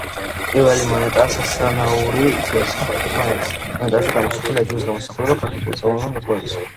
პირველი მონეტაა სასანური ვერცხლის ტიპის მონეტა, მონეტაზე გამოსახული ჯვრის გამოსახულება, ქართულ წარმომავლობაზე მეტყველებს.